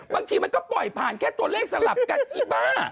บางทีมันก็ปล่อยผ่านแค่ตัวเลขสลับกันอีบ้า